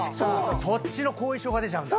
そっちの後遺症が出ちゃうんだ。